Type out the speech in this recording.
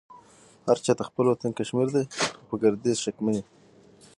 هرچا ته خپل وطن کشمير دې خو په ګرديز شکمن يم